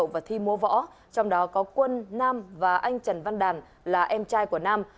và anh trần văn đàn là em trai của nam